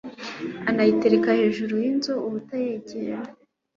anayitereka hejuru y'inzuzi ubutayegayega